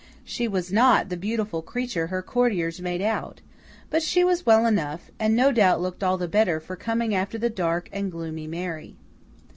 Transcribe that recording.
She was not the beautiful creature her courtiers made out; but she was well enough, and no doubt looked all the better for coming after the dark and gloomy Mary.